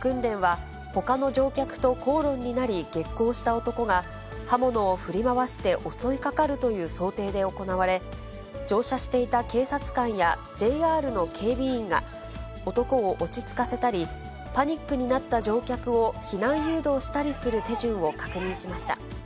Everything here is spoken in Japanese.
訓練は、ほかの乗客と口論になり、激高した男が、刃物を振り回して襲いかかるという想定で行われ、乗車していた警察官やＪＲの警備員が、男を落ち着かせたり、パニックになった乗客を避難誘導したりする手順を確認しました。